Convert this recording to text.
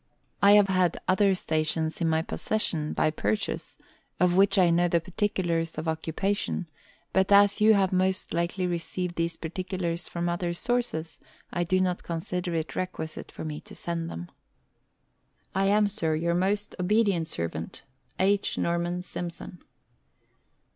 I have had other stations in my possession, by purchase, of which I know the particulars of occupation ; but as you have most likely received these particulars from other sources, I do not consider it requisite for me to send them. I am, Sir, your most obedient servant, H. NORMAN SIMSON.